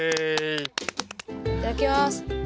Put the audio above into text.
いただきます。